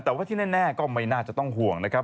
แต่ว่าที่แน่ก็ไม่น่าจะต้องห่วงนะครับ